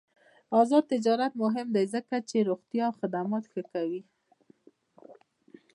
آزاد تجارت مهم دی ځکه چې روغتیا خدمات ښه کوي.